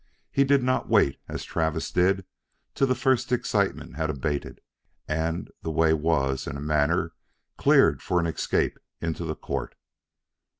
He did not wait as Travis did till the first excitement had abated and the way was, in a manner, cleared for an escape into the court.